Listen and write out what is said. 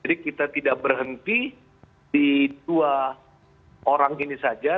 jadi kita tidak berhenti di dua orang ini saja